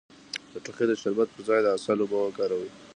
د ټوخي د شربت پر ځای د عسل اوبه وکاروئ